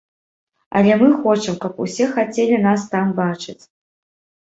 Але мы хочам, каб усе хацелі нас там бачыць.